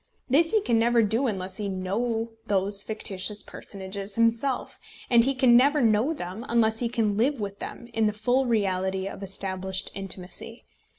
This he can never do unless he know those fictitious personages himself, and he can never know them unless he can live with them in the full reality of established intimacy.